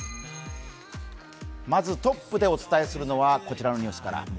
まずトップでお伝えするのはこちらのニュースから。